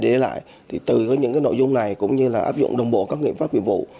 để lại từ những nội dung này cũng như áp dụng đồng bộ các nghiệp pháp viện vụ